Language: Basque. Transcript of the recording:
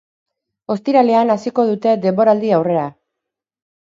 Ostiralean hasiko dute denboraldi-aurrea.